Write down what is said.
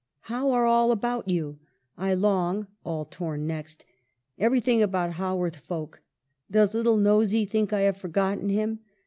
How are all about you ? I long ... [all torn next] every thing about Haworth folk. Does little Nosey think I have forgotten him.